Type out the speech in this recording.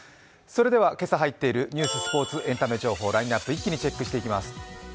それでは、今朝入っているニューススポーツ、エンタメ情報ラインナップ一気にチェックしていきます。